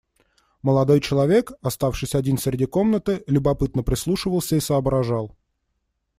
Молодой человек, оставшись один среди комнаты, любопытно прислушивался и соображал.